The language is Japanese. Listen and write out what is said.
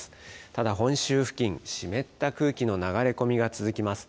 ただ本州付近、湿った空気の流れ込みが続きます。